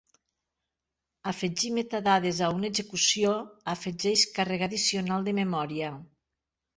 Afegir metadades a una execució afegeix càrrega addicional de memòria.